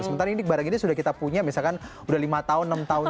sementara ini barang ini sudah kita punya misalkan sudah lima tahun enam tahun